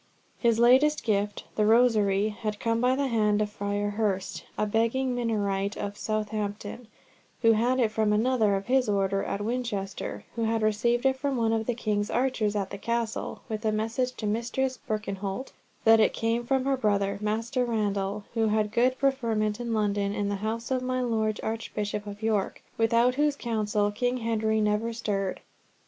His latest gift, the rosary, had come by the hand of Friar Hurst, a begging Minorite of Southampton, who had it from another of his order at Winchester, who had received it from one of the king's archers at the Castle, with a message to Mistress Birkenholt that it came from her brother, Master Randall, who had good preferment in London, in the house of my Lord Archbishop of York, without whose counsel King Henry never stirred.